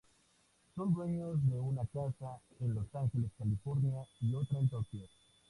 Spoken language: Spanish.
Son dueños de una casa en Los Ángeles, California y otra en Tokio.